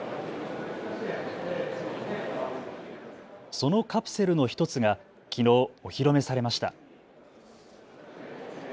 そのカプセルの１つがきのう、お披露目されました。